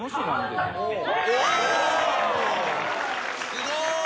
すごい。